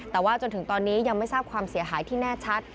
แต่ว่าจนถึงตอนนี้ยังไม่ทราบความเสียหายที่แน่ชัด